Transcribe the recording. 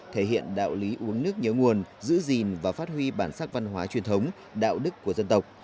thể hiện đạo lý uống nước nhớ nguồn giữ gìn và phát huy bản sắc văn hóa truyền thống đạo đức của dân tộc